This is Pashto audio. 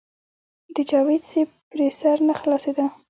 د جاوېد صېب پرې سر نۀ خلاصېدۀ -